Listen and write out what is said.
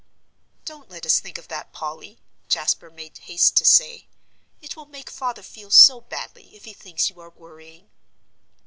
"Don't let us think of that, Polly," Jasper made haste to say; "it will make father feel so badly if he thinks you are worrying."